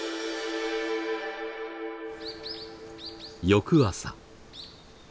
翌朝。